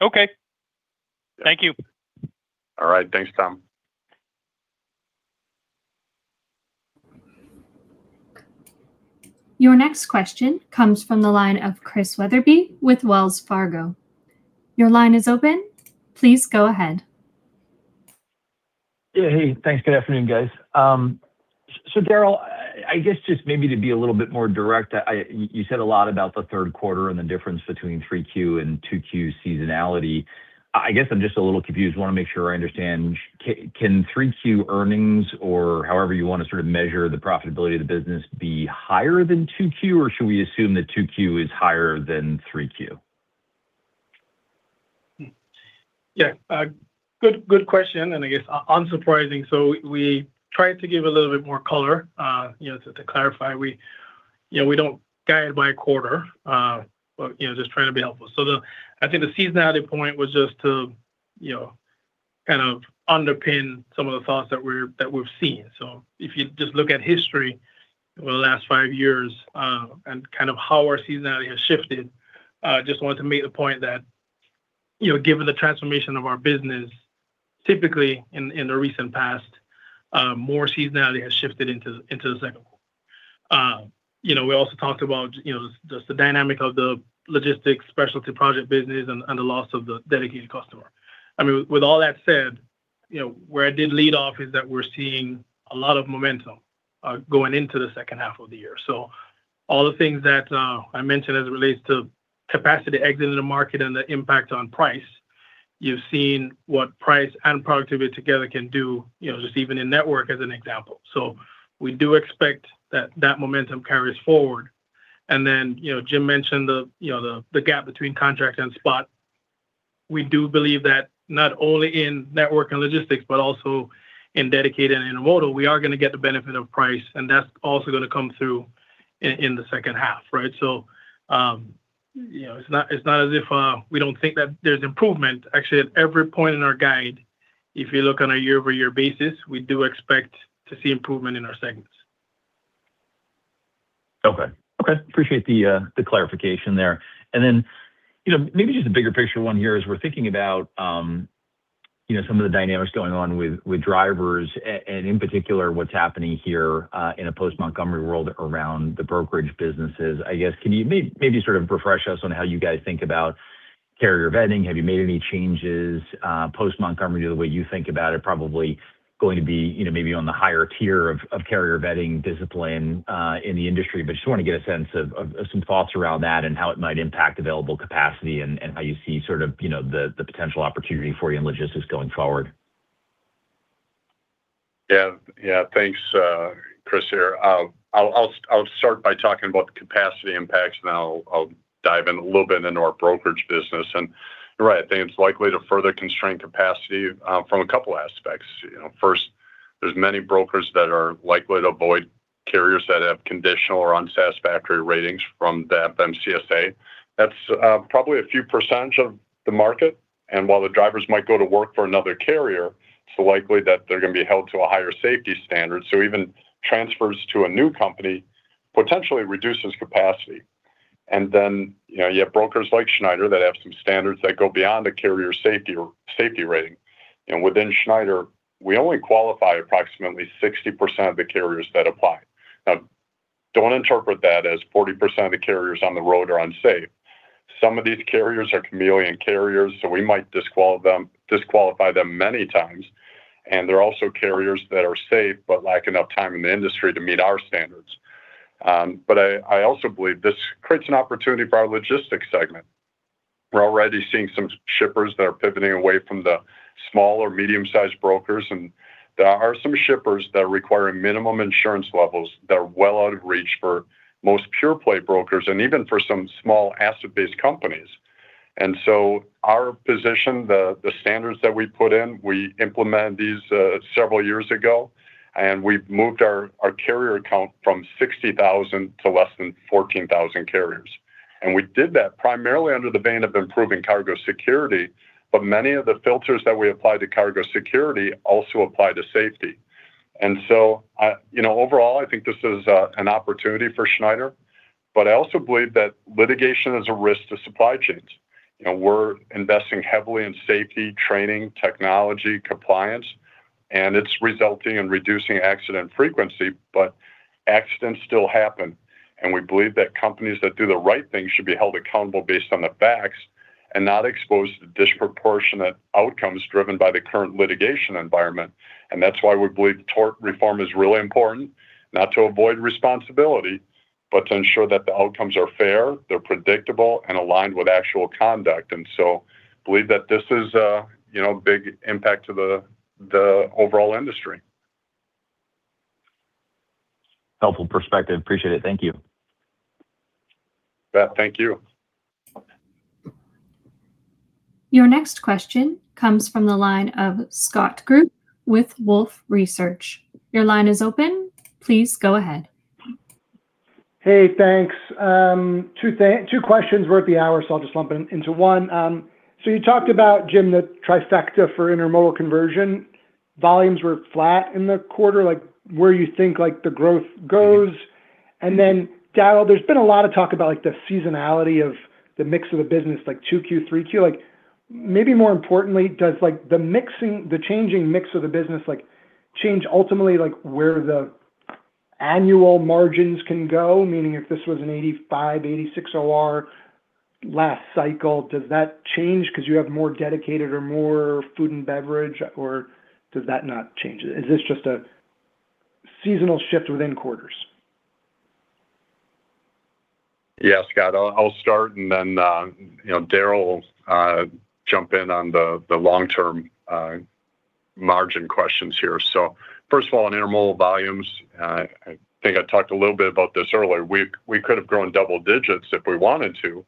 Okay. Thank you. All right. Thanks, Tom. Your next question comes from the line of Chris Wetherbee with Wells Fargo. Your line is open. Please go ahead. Yeah, hey. Thanks. Good afternoon, guys. Darrell, I guess just maybe to be a little bit more direct, you said a lot about the third quarter and the difference between 3Q and 2Q seasonality. I guess I'm just a little confused. I want to make sure I understand. Can 3Q earnings or however you want to sort of measure the profitability of the business be higher than 2Q, or should we assume that 2Q is higher than 3Q? Yeah. Good question, and I guess, unsurprising. We tried to give a little bit more color, to clarify, we don't guide by quarter, but just trying to be helpful. I think the seasonality point was just to underpin some of the thoughts that we've seen. If you just look at history over the last five years and how our seasonality has shifted. Just wanted to make the point that, given the transformation of our business, typically in the recent past, more seasonality has shifted into the second quarter. We also talked about just the dynamic of the logistics specialty project business and the loss of the dedicated customer. With all that said, where I did lead off is that we're seeing a lot of momentum going into the second half of the year. All the things that I mentioned as it relates to capacity exiting the market and the impact on price, you've seen what price and productivity together can do, just even in network as an example. We do expect that that momentum carries forward. Jim mentioned the gap between contract and spot. We do believe that not only in network and logistics, but also in dedicated and in modal, we are going to get the benefit of price, and that's also going to come through in the second half. Right? It's not as if we don't think that there's improvement. Actually, at every point in our guide, if you look on a year-over-year basis, we do expect to see improvement in our segments. Okay. Appreciate the clarification there. Maybe just the bigger picture one here, as we're thinking about some of the dynamics going on with drivers and in particular, what's happening here in a post Montgomery world around the brokerage businesses. I guess, can you maybe sort of refresh us on how you guys think about carrier vetting? Have you made any changes post Montgomery? The way you think about it probably going to be maybe on the higher tier of carrier vetting discipline in the industry. Just want to get a sense of some thoughts around that and how it might impact available capacity and how you see sort of the potential opportunity for you in logistics going forward. Yeah. Thanks, Chris. I'll start by talking about the capacity impacts, then I'll dive in a little bit into our brokerage business. You're right, I think it's likely to further constrain capacity from a couple aspects. First, there's many brokers that are likely to avoid carriers that have conditional or unsatisfactory ratings from the FMCSA. That's probably a few percent of the market, and while the drivers might go to work for another carrier, it's likely that they're going to be held to a higher safety standard. Even transfers to a new company potentially reduces capacity. You have brokers like Schneider that have some standards that go beyond a carrier safety rating. Within Schneider, we only qualify approximately 60% of the carriers that apply. Now, don't interpret that as 40% of the carriers on the road are unsafe. Some of these carriers are chameleon carriers, so we might disqualify them many times, and there are also carriers that are safe but lack enough time in the industry to meet our standards. I also believe this creates an opportunity for our logistics segment. We're already seeing some shippers that are pivoting away from the small or medium-sized brokers, and there are some shippers that are requiring minimum insurance levels that are well out of reach for most pure-play brokers, and even for some small asset-based companies. Our position, the standards that we put in, we implemented these several years ago, and we've moved our carrier count from 60,000 to less than 14,000 carriers. We did that primarily under the vein of improving cargo security, but many of the filters that we apply to cargo security also apply to safety. Overall, I think this is an opportunity for Schneider, but I also believe that litigation is a risk to supply chains. We're investing heavily in safety training, technology, compliance, and it's resulting in reducing accident frequency, but accidents still happen. We believe that companies that do the right thing should be held accountable based on the facts and not exposed to disproportionate outcomes driven by the current litigation environment. That's why we believe tort reform is really important, not to avoid responsibility, but to ensure that the outcomes are fair, they're predictable, and aligned with actual conduct. Believe that this is a big impact to the overall industry. Helpful perspective. Appreciate it. Thank you. Yeah. Thank you. Your next question comes from the line of Scott Group with Wolfe Research. Your line is open. Please go ahead. Hey, thanks. Two questions. We're at the hour, I'll just lump them into one. You talked about, Jim, the trifecta for intermodal conversion. Volumes were flat in the quarter. Where you think the growth goes? Darrell, there's been a lot of talk about the seasonality of the mix of the business, like 2Q, 3Q. Maybe more importantly, does the changing mix of the business change ultimately where the annual margins can go? Meaning if this was an 85, 86 OR last cycle, does that change because you have more dedicated or more food and beverage, or does that not change it? Is this just a seasonal shift within quarters? Yeah, Scott, I'll start and then Darrell will jump in on the long-term margin questions here. First of all, on Intermodal volumes, I think I talked a little bit about this earlier. We could have grown double-digits if we wanted to,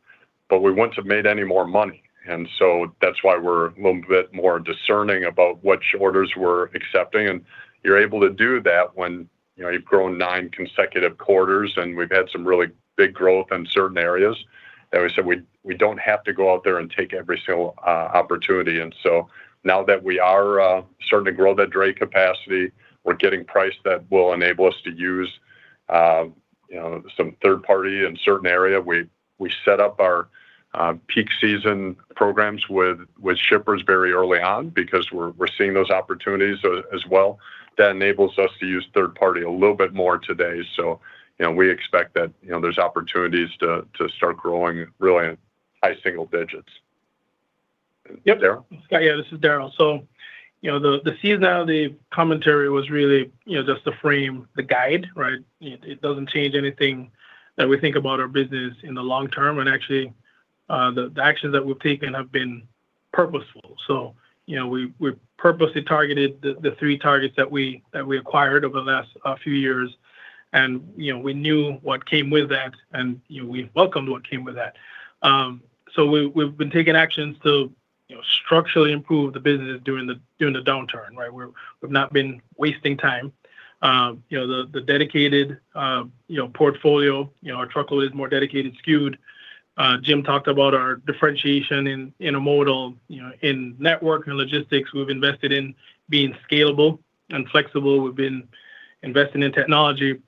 but we wouldn't have made any more money. That's why we're a little bit more discerning about which orders we're accepting. You're able to do that when you've grown nine consecutive quarters, and we've had some really big growth in certain areas. That we said we don't have to go out there and take every single opportunity. Now that we are starting to grow that dray capacity, we're getting price that will enable us to use some third-party in certain area. We set up our peak season programs with shippers very early on because we're seeing those opportunities as well. That enables us to use third-party a little bit more today. We expect that there's opportunities to start growing really in high single-digits. Darrell? Yeah. This is Darrell. The seasonality commentary was really just the frame, the guide, right? It doesn't change anything that we think about our business in the long-term. Actually, the actions that we've taken have been purposeful. We purposely targeted the three targets that we acquired over the last few years, and we knew what came with that, and we welcomed what came with that. We've been taking actions to structurally improve the business during the downturn, right? We've not been wasting time. The dedicated portfolio. Our Truckload is more dedicated, skewed. Jim talked about our differentiation in Intermodal. In Network and Logistics, we've invested in being scalable and flexible. We've been investing in technology.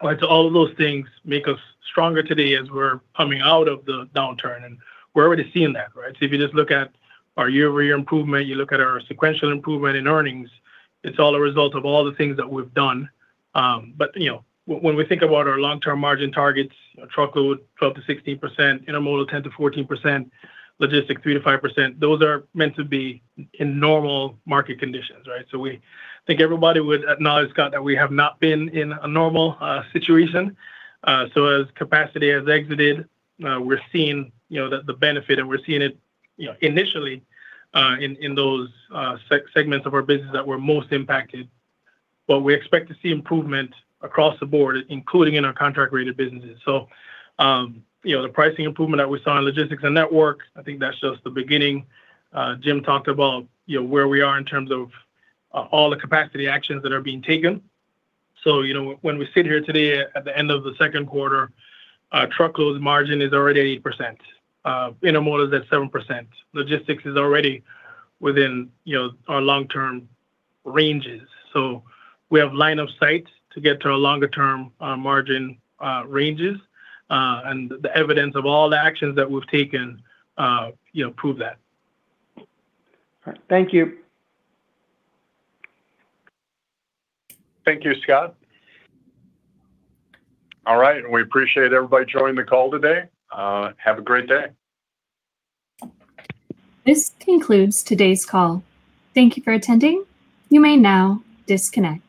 All of those things make us stronger today as we're coming out of the downturn, and we're already seeing that, right? If you just look at our year-over-year improvement, you look at our sequential improvement in earnings, it's all a result of all the things that we've done. When we think about our long-term margin targets, Truckload 12%-16%, Intermodal 10%-14%, Logistics 3%-5%, those are meant to be in normal market conditions, right? We think everybody would acknowledge, Scott, that we have not been in a normal situation. As capacity has exited, we're seeing the benefit, and we're seeing it initially in those segments of our business that were most impacted. We expect to see improvement across the board, including in our contract rated businesses. The pricing improvement that we saw in Logistics and Network, I think that's just the beginning. Jim talked about where we are in terms of all the capacity actions that are being taken. When we sit here today at the end of the second quarter, truckload margin is already 8%. Intermodal is at 7%. Logistics is already within our long-term ranges. We have line of sight to get to our longer term margin ranges. The evidence of all the actions that we've taken prove that. All right. Thank you. Thank you, Scott. All right. We appreciate everybody joining the call today. Have a great day. This concludes today's call. Thank you for attending. You may now disconnect